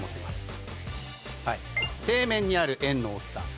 底面にある円の大きさ